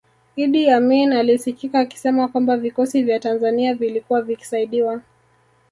Idi Amin alisikika akisema kwamba vikosi vya Tanzania vilikuwa vikisaidiwa